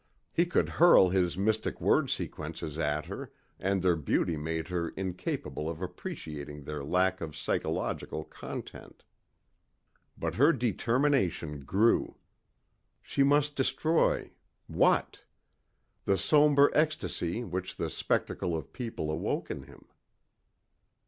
He could hurl his mystic word sequences at her and their beauty made her incapable of appreciating their lack of psychologic content. But her determination grew. She must destroy what? The somber ecstasy which the spectacle of people awoke in him.